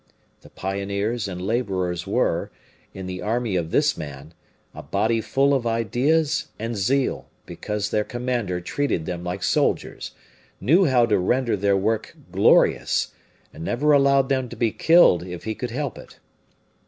The pioneers and laborers were, in the army of this man, a body full of ideas and zeal, because their commander treated them like soldiers, knew how to render their work glorious, and never allowed them to be killed if he could help it.